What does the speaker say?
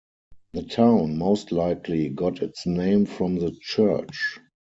The town most likely got its name from the church.